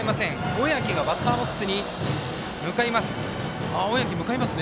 小宅がバッターボックスに向かいます。